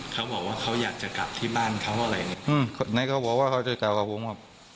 เขาบอกว่าเขาอยากจะกลับที่บ้านเขาอะไรไหนเขาบอกว่าเขาจะกลับกับผม